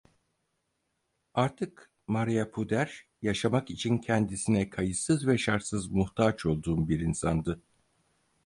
Artık Maria Puder, yaşamak için kendisine kayıtsız ve şartsız muhtaç olduğum bir insandı.